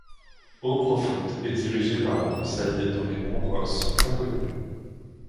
Eauprofonde est dirigée par un conseil dont les membres sont inconnus.